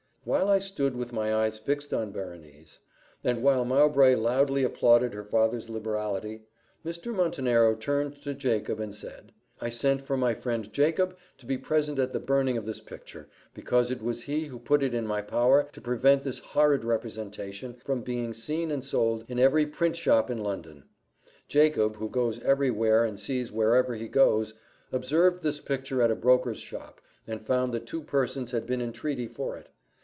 While I stood with my eyes fixed on Berenice, and while Mowbray loudly applauded her father's liberality, Mr. Montenero turned to Jacob and said, "I sent for my friend Jacob to be present at the burning of this picture, because it was he who put it in my power to prevent this horrid representation from being seen and sold in every print shop in London. Jacob, who goes every where, and sees wherever he goes, observed this picture at a broker's shop, and found that two persons had been in treaty for it.